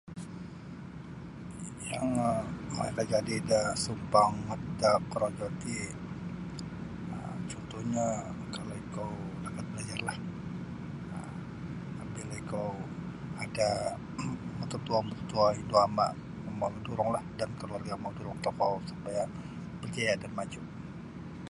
Yang makajadi da sumpangat da korojo ti um cuntuhnyo kalau ikou lakat balajarlah um bila ikou ada mututuo-mututuo indu ama' mau tulunglah dan kaluarga' mau tulung tokou supaya barjaya' dan maju'.